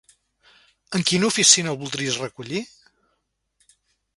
En quina oficina el voldries recollir?